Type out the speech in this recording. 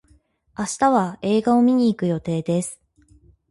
明日は映画を見に行く予定です。